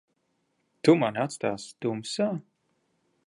Tu mani atstāsi tumsā?